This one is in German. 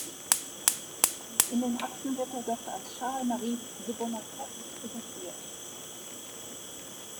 In den Akten wird er dort als "Charles-Marie de Buonaparte" geführt.